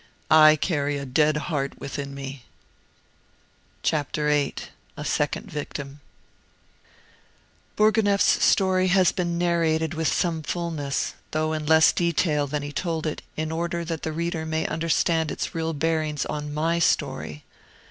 I carry a dead heart within me." VIII A SECOND VICTIM Bourgonef's story has been narrated with some fullness, though in less detail than he told it, in order that the reader may understand its real bearings on MY story.